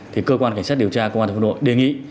thì cơ quan cảnh sát điều tra cơ quan thông tin đề nghị